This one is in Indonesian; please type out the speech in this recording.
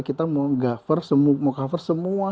kita mau cover semua